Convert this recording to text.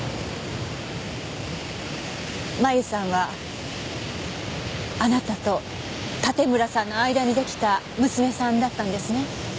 麻由さんはあなたと盾村さんの間に出来た娘さんだったんですね？